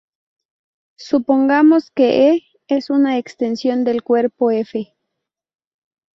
Supongamos que "E" es una extensión del cuerpo "F".